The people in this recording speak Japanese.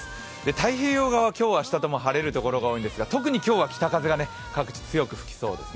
太平洋側、今日明日とも晴れるところが多いんですが特に今日は北風が各地、強く吹きそうですね。